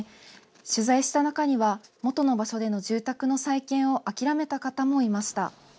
取材した中には、元の場所での住宅の再建を諦めた方もいました。